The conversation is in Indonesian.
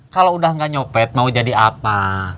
kalau udah gak nyopet mau jadi apa